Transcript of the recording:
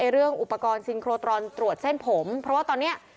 เรื่องอุปกรณ์ซินโครตรอนตรวจเส้นผมเพราะว่าตอนนี้